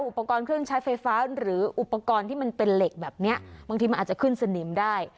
อุปกรณ์เครื่องใช้ไฟฟ้าหรืออุปกรณ์ที่มันเป็นเหล็กแบบเนี้ยบางทีมันอาจจะขึ้นสนิมได้